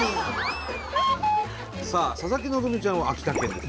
さあ佐々木希ちゃんは秋田県ですよね。